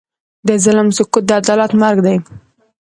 د ظلم سکوت، د عدالت مرګ دی.